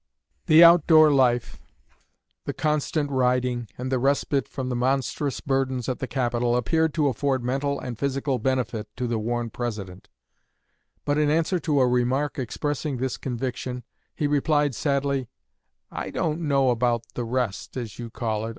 '" The out door life, the constant riding, and the respite from the monstrous burdens at the capital, appeared to afford mental and physical benefit to the worn President. But in answer to a remark expressing this conviction, he replied sadly, "I don't know about 'the rest' as you call it.